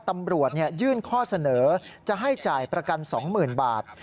ตำรวจยื่นข้อเสนอจะให้จ่ายประกัน๒๐๐๐บาท